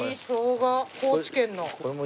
高知県の。